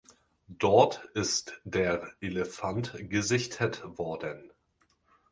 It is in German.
Dort ist der Elefant gesichtet worden.